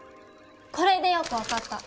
これでよく分かった。